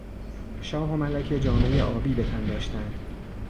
شاه و ملکه جامهی آبی به تن داشتند.